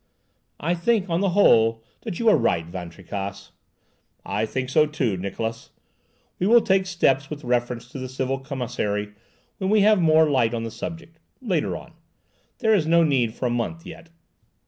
"I think, on the whole, that you are right, Van Tricasse." "I think so too, Niklausse. We will take steps with reference to the civil commissary when we have more light on the subject— later on. There is no need for a month yet."